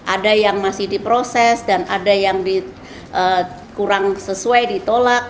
ada yang masih diproses dan ada yang kurang sesuai ditolak